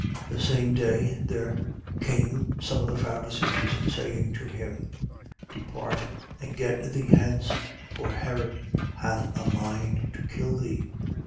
13:31. The same day, there came some of the Pharisees, saying to him: Depart, and get thee hence, for Herod hath a mind to kill thee.